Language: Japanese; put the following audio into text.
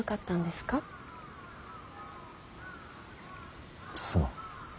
すまん。